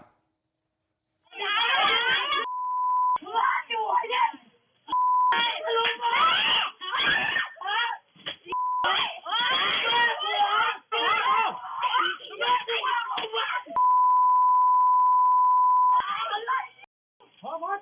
พ่อกระจ้านะไปไม่ได้ไปได้มาหรอ